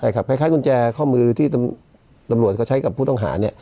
คล้ายกุญแจข้อมือที่ตำรวจเขาใช้กับผู้ต้องหาเนี่ย